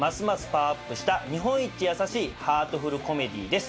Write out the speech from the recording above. パワーアップした日本一優しいハートフル・コメディです。